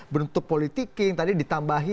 bentuk politik yang tadi ditambahi